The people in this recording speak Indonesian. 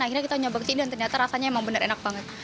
akhirnya kita nyoba kesini dan ternyata rasanya emang bener enak banget